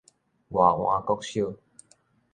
外垵國小